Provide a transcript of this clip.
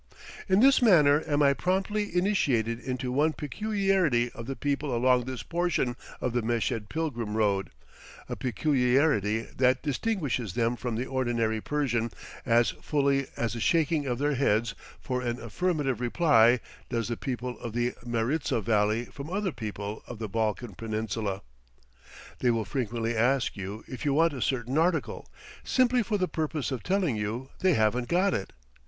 In this manner am I promptly initiated into one peculiarity of the people along this portion of the Meshed pilgrim road, a peculiarity that distinguishes them from the ordinary Persian as fully as the shaking of their heads for an affirmative reply does the people of the Maritza Valley from other people of the Balkan Peninsula. They will frequently ask you if you want a certain article, simply for the purpose of telling you they haven't got it.